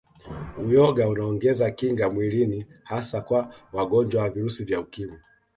Uyoga unaongeza kinga mwilini hasa kwa wangonjwa wa Virusi vya Ukimwi